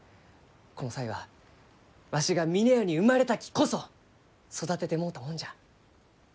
この才はわしが峰屋に生まれたきこそ育ててもろうたもんじゃ。